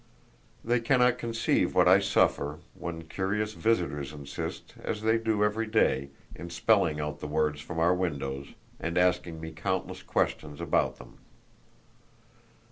They cannot conceive what I suffer when curious visitors insist, as they do every day, on spelling out the words from our windows, and asking me countless questions about them!